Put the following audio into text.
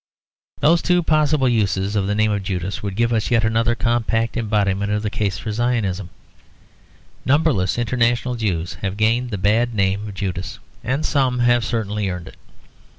Those two possible uses of the name of Judas would give us yet another compact embodiment of the case for Zionism. Numberless international Jews have gained the bad name of Judas, and some have certainly earned it.